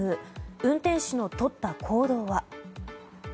運転手のとった行動は。